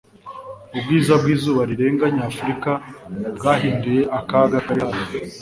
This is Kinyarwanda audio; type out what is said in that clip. Ubwiza bw'izuba rirenga nyafurika bwahinduye akaga kari hafi.